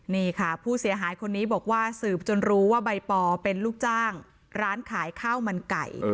นี่ค่ะผู้เสียหายคนนี้บอกว่าสืบจนรู้ว่าใบปอเป็นลูกจ้างร้านขายข้าวมันไก่